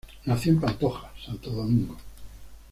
Nació en Pantoja, Santo Domingo.